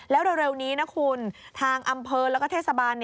แล้วเร็วนี้นะคุณทางอำเภอแล้วก็เทศบาล